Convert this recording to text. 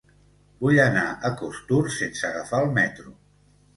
Vull anar a Costur sense agafar el metro.